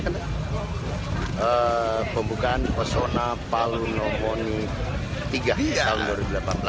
pembukaan persona palu nomoni tiga tahun dua ribu delapan belas